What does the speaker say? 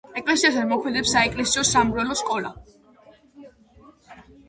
ეკლესიასთან მოქმედებს საეკლესიო-სამრევლო სკოლა.